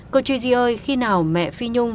cô chi di ơi khi nào mẹ phi nhung